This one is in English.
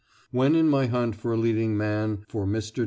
WHEN IN MY HUNT FOR A LEADING MAN FOR MR.